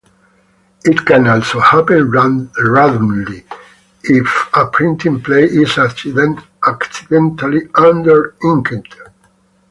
It can also happen randomly, if a printing plate is accidentally under-inked.